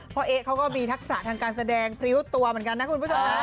เอ๊ะเขาก็มีทักษะทางการแสดงพริ้วตัวเหมือนกันนะคุณผู้ชมนะ